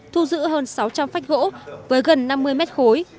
thu giữ hơn sáu trăm linh phách gỗ với gần năm mươi mét khối